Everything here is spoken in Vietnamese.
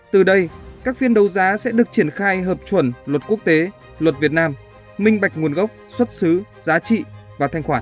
từ đây các phiên đấu giá sẽ được triển khai hợp chuẩn luật quốc tế luật việt nam minh bạch nguồn gốc xuất xứ giá trị và thanh khoản